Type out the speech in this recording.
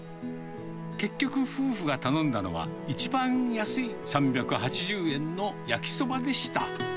結局、夫婦が頼んだのは、一番安い３８０円の焼きそばでした。